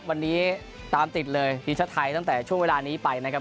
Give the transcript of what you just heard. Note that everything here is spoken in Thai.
วันนี้ตามติดเลยทีมชาติไทยตั้งแต่ช่วงเวลานี้ไปนะครับ